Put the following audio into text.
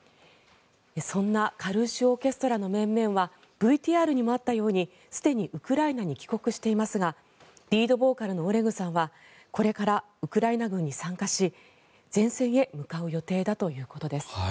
そんなカルーシュ・オーケストラの面々はＶＴＲにもあったように、すでにウクライナに帰国していますがリードボーカルのオレグさんはこれからウクライナ軍に参加し前線へ向かう予定だということです。